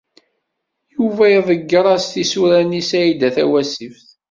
Yuba iḍegger-as tisura-nni i Saɛida Tawasift.